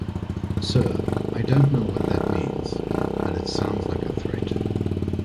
Sir, I don't know what that means, but it sounds like a threat.